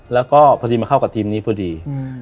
แล้วก็พอดีมาเข้ากับทีมนี้พอดี